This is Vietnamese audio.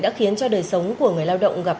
đã khiến cho đời sống của người lao động gặp